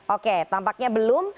oke tampaknya belum